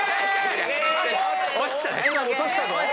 今落としたぞ。